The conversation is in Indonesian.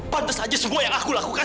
pantas aja semua yang aku lakukan